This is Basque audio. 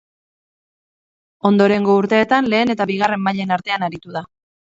Ondorengo urteetan lehen eta bigarren mailen artean aritu da.